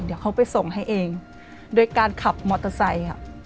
เดี๋ยวเขาไปส่งให้เองโดยการขับมอเตอร์ไซค์ค่ะ